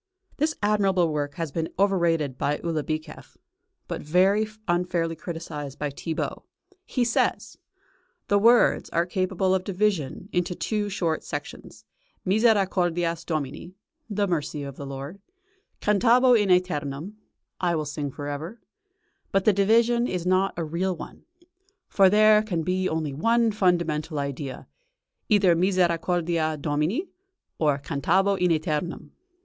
This admirable work has been overrated by Ulibicheff, but very unfairly criticised by Thibaut. He says: The words are capable of division into two short sections: Misericordias Domini (the mercy of the Lord), cantabo in æternum (I will sing for ever), but the division is not a real one. For there can be only one fundamental idea either "Misericordias Domini" or "cantabo in æternum."